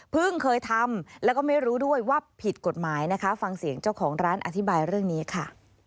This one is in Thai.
เคยทำแล้วก็ไม่รู้ด้วยว่าผิดกฎหมายนะคะฟังเสียงเจ้าของร้านอธิบายเรื่องนี้ค่ะ